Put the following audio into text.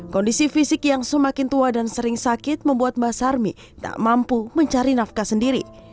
kondisi fisik yang semakin tua dan sering sakit membuat mbak sarmi tak mampu mencari nafkah sendiri